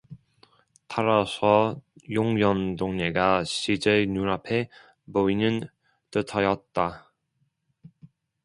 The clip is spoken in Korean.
따라서 용연 동네가 시재 눈앞에 보이는 듯하였다.